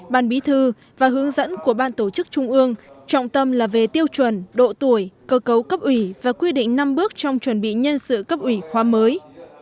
ban bí thư và hướng dẫn của ban tổ chức trung ương trọng tâm là về tiêu chuẩn độ tuổi cơ cấu cấp ủy và quy định năm bước trong chuẩn bị nhân sự cấp ủy khoa mới